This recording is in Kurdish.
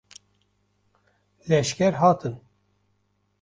Leşker hatin.